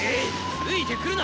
ついてくるな！